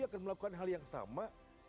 akan melakukan hal yang sama